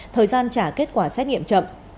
thời gian trả kết quả xét nghiệm chậm